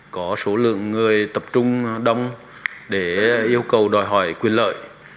có số lượng người tập trung đông để yêu cầu đòi hỏi quyền lợi